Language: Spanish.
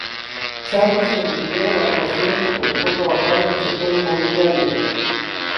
Charlie se retiró de la actuación y comenzó a trabajar en el sector inmobiliario.